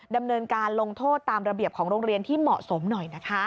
ดำเนินการลงโทษตามระเบียบของโรงเรียนที่เหมาะสมหน่อยนะคะ